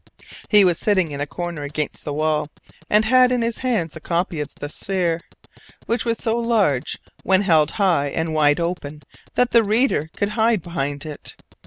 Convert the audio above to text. He was sitting in a corner against the wall, and had in his hands a copy of the Sphere, which was so large when held high and wide open that the reader could hide behind it.